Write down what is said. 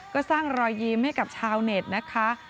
ก็สร้างรอยยิ้มให้กับชาวเน็ตนะคะ